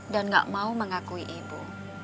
dan gak mau mengakui ibu